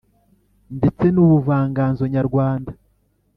ndetse n’ubuvanganzonyarwanda.